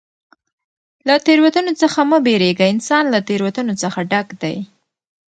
له تېروتنو څخه مه بېرېږه! انسان له تېروتنو څخه ډک دئ.